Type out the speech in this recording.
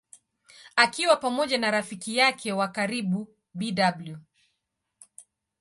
Akiwa pamoja na rafiki yake wa karibu Bw.